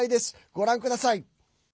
ご覧ください。